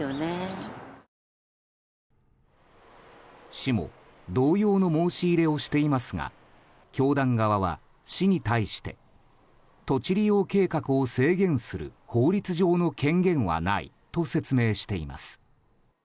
市も、同様の申し入れをしていますが教団側は、市に対して土地利用計画を制限する法律上の権限はないと説明しています。